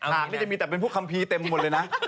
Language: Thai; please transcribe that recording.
หากนี่จะมีแต่เป็นพวกคัมภีร์เต็มหมดเลยนะ